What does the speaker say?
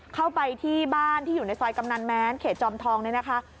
เข้าไปที่บ้านที่อยู่ในซอยกำนันแม้นเขตจอมทองเนี่ยนะคะ